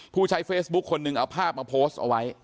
ผู้ใช้เฟซบุ๊คคนหนึ่งเอาภาพมาโพสต์เอาไว้